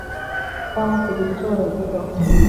cyangwa kugira icyo bayavugaho